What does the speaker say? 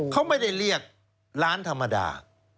เขาไม่ได้เรียกร้านธรรมดา